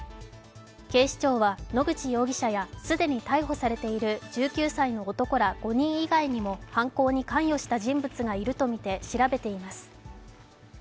警視庁は野口容疑者や、既に逮捕されている１９歳の男ら５人以外にも犯行に関与した人物がいるとみて調べています。